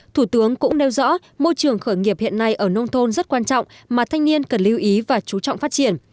thủ tướng cũng nêu rõ môi trường khởi nghiệp hiện nay ở nông thôn rất quan trọng mà thanh niên cần lưu ý và chú trọng phát triển